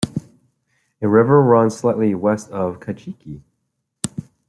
A river runs slightly west of Kajiki.